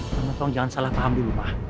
tunggu tunggu jangan salah paham dulu ma